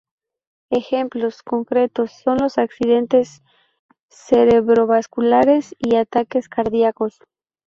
Ejemplos concretos son los accidentes cerebrovasculares y ataques cardíacos.